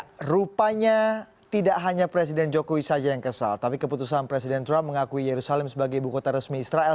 keputusan presiden amerika serikat donald trump mengakui yerusalem sebagai istri jasil